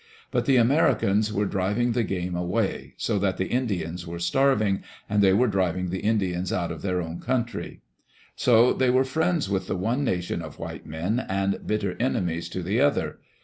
But the Americans were driving the game away, so that the Indians were starving, and they were driving the Indians out of their own country. So they were friends with the one nation of white men, and bitter ene mies to the other.